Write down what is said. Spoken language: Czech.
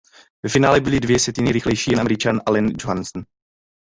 Ve finále byl o dvě setiny rychlejší jen Američan Allen Johnson.